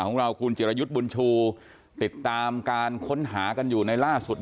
ของเราคุณจิรยุทธ์บุญชูติดตามการค้นหากันอยู่ในล่าสุด